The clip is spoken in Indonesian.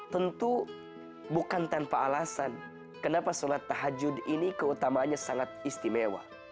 tentu bukan tanpa alasan kenapa sholat tahajud ini keutamaannya sangat istimewa